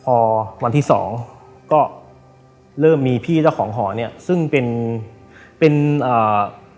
พอวันที่สองก็เริ่มมีพี่เจ้าของหอเนี้ยซึ่งเป็นเป็นอ่า